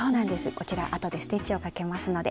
こちらあとでステッチをかけますので。